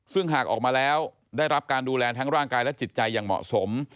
ซึ่งหากออกมาแล้วได้รับการดูแลทั้งร่างกายและจิตใจอย่างเหมาะสม